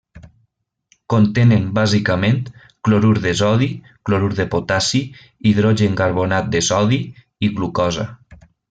Contenen bàsicament, clorur de sodi, clorur de potassi, hidrogencarbonat de sodi i glucosa.